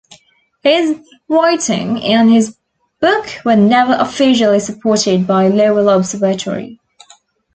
His writing and his book were never officially supported by Lowell Observatory.